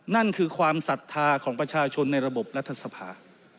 นั่นคือความศรัทธาของประชาชนในระบบรัฐสภา